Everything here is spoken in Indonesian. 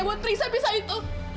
buat periksa pisau itu